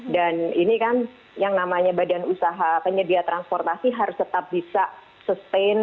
dan ini kan yang namanya badan usaha penyedia transportasi harus tetap bisa sustain